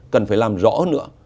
cần phải làm rõ hơn nữa